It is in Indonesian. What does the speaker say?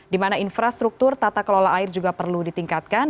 dimana infrastruktur tata kelola air juga perlu ditingkatkan